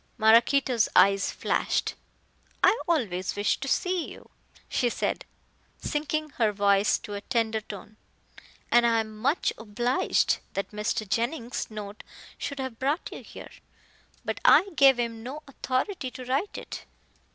Maraquito's eyes flashed. "I always wish to see you," she said, sinking her voice to a tender tone, "and I am much obliged that Mr. Jennings' note should have brought you here. But I gave him no authority to write it."